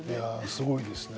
すごいですね。